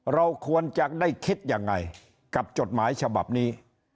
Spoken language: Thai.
เราควรจะได้คิดยังไงกับจดหมายฉบับนี้